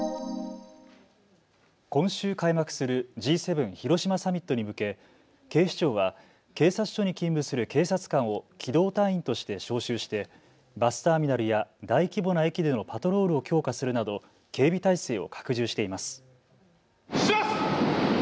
今週開幕するＧ７広島サミットに向け警視庁は警察署に勤務する警察官を機動隊員として招集してバスターミナルや大規模な駅でのパトロールを強化するなど警備態勢を拡充しています。